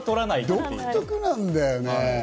独特なんだよね。